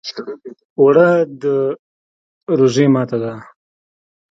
اوړه د روژې ماته ده